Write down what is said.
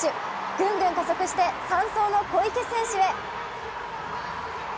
グングン加速して、３走の小池選手へ。